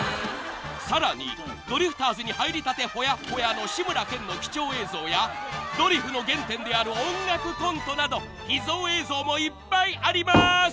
［さらにドリフターズに入りたてほやほやの志村けんの貴重映像やドリフの原点である音楽コントなど秘蔵映像もいっぱいありまーす］